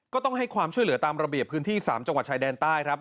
ต้องให้ความช่วยเหลือตามระเบียบพื้นที่๓จังหวัดชายแดนใต้ครับ